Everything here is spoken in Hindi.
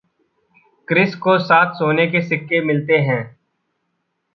क्रिस को सात सोने के सिक्के मिलते हैं!